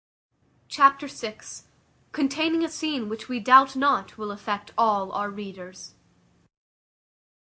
Chapter vi. Containing a scene which we doubt not will affect all our readers.